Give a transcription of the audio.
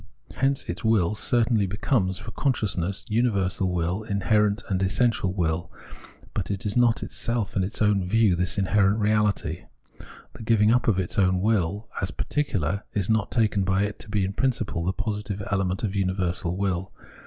Hence its will certainly becomes, for consciousness, universal will, inherent and essential will, but is not itself in its own view this inherent reality. The giving up of its own will as particular is not taken by it to be in principle the positive element of universal will.